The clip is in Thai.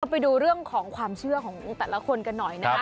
ไปดูเรื่องของความเชื่อของแต่ละคนกันหน่อยนะฮะ